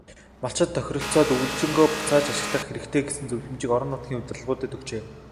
Малчид тохиролцоод өвөлжөө бууцаа ашиглах хэрэгтэй гэсэн зөвлөмжийг орон нутгийн удирдлагуудад өгчээ.